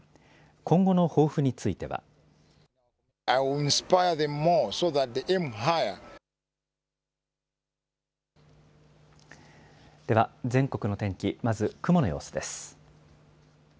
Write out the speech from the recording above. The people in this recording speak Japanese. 今後の抱負については。では全国の天気、まず雲の様子です。